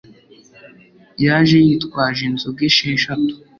yaje yitwaje inzoga esheshatu.